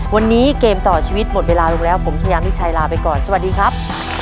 วันนี้เกมต่อชีวิตหมดเวลาลงแล้วผมชายามิชัยลาไปก่อนสวัสดีครับ